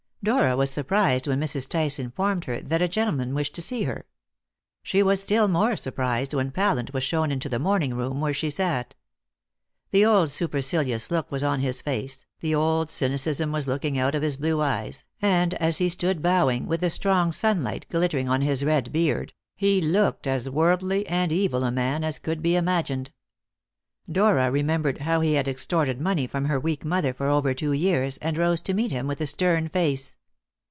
Dora was surprised when Mrs. Tice informed her that a gentleman wished to see her. She was still more surprised when Pallant was shown into the morning room where she sat. The old supercilious look was on his face, the old cynicism was looking out of his blue eyes, and as he stood bowing, with the strong sunlight glittering on his red beard, he looked as worldly and evil a man as could be imagined. Dora remembered how he had extorted money from her weak mother for over two years, and rose to meet him with a stern face.